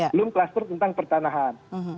belum kluster tentang pertanahan